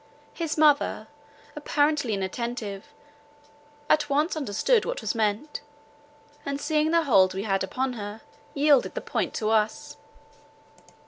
His mother, apparently inattentive, at once understood what was meant, and seeing the hold we had upon her, yielded the point to us.